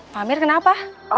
pak amir kenapa